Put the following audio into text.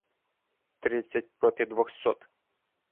Тридцять проти двохсот!.